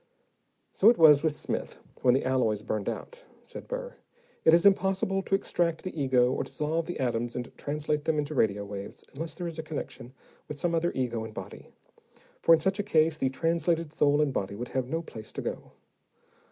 "So it was with Smith, when the alloys burned out," said Burr. "It is impossible to extract the ego or dissolve the atoms and translate them into radio waves unless there is a connection with some other ego and body, for in such a case the translated soul and body would have no place to go.